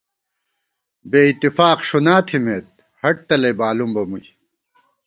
بے اِتفاق ݭُنا تھِمېت، ہڈ تلَئ بالُم بہ مُوئی